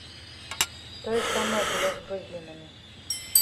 Тое самае было з грузінамі.